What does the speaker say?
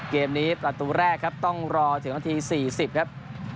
เกมนี้ประตูแรกครับต้องรอถึงนาที๔๐ครับ